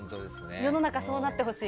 世の中、そうなってほしい。